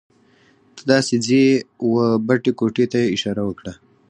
ته داسې ځې وه بټې ګوتې ته یې اشاره وکړه.